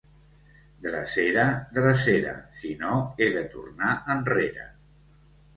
Drecera, drecera, si no he de tornar enrere.